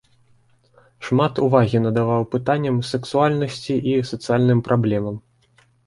Шмат увагі надаваў пытанням сексуальнасці і сацыяльным праблемам.